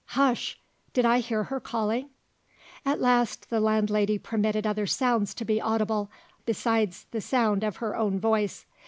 Hush! Did I hear her calling?" At last, the landlady permitted other sounds to be audible, besides the sound of her own voice.